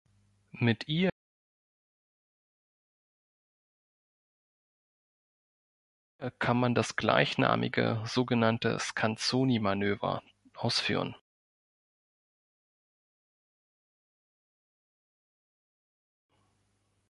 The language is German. Mit ihr kann man das gleichnamige sogenannte "Scanzoni-Manöver" ausführen.